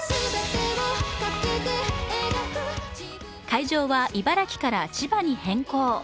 会場は茨城から千葉に変更。